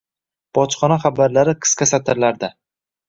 Bojxona xabarlari qisqa satrlarda: